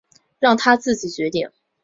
让他自己决定